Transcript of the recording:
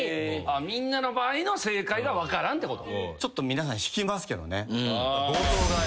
みんなの場合の正解が分からんってこと？